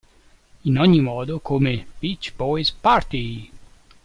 In ogni modo, come "Beach Boys' Party!